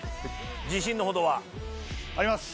自信のほどは？あります。